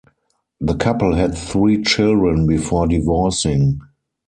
The couple had three children before divorcing.